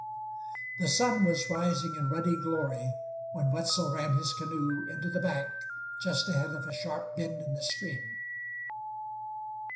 The sun was rising in ruddy glory when Wetzel ran his canoe into the bank just ahead of a sharp bend in the stream.